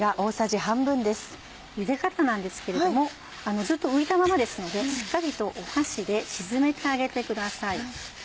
ゆで方なんですけれどもずっと浮いたままですのでしっかりと箸で沈めてあげてください。